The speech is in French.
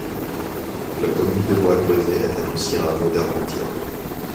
La commune de Bois-Grenier est un ancien hameau d'Armentières.